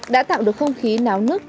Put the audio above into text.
đã tạo được không khí náo nước